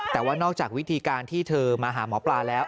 แต่ว่านอกจากวิธีการที่เธอมาหาหมอปลาแล้ว